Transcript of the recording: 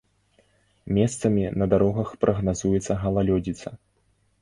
Месцамі на дарогах прагназуецца галалёдзіца.